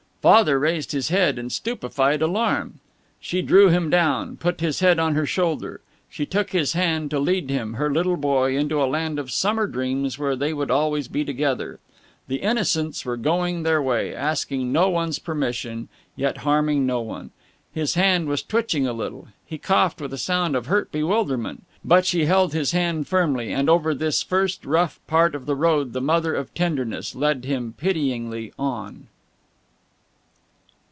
Father raised his head in stupefied alarm. She drew him down, put his head on her shoulder. She took his hand, to lead him, her little boy, into a land of summer dreams where they would always be together. The Innocents were going their way, asking no one's permission, yet harming no one.... His hand was twitching a little; he coughed with a sound of hurt bewilderment; but she held his hand firmly, and over this first rough part of the road the mother of tenderness led him pityingly on.